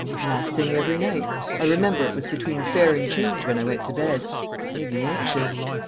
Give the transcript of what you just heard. "Last thing every night. I remember it was between Fair and Change when I went to bed. It made me anxious."